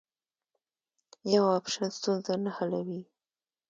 یو اپشن ستونزه نه حلوي.